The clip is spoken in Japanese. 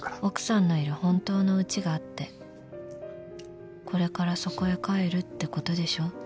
［奥さんのいる本当のうちがあってこれからそこへ帰るってことでしょ］